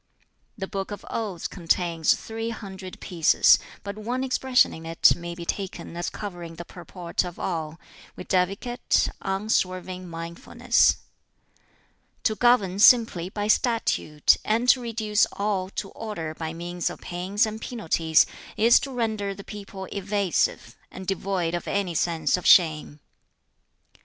"The 'Book of Odes' contains three hundred pieces, but one expression in it may be taken as covering the purport of all, viz., Unswerving mindfulness. "To govern simply by statute, and to reduce all to order by means of pains and penalties, is to render the people evasive, and devoid of any sense of shame.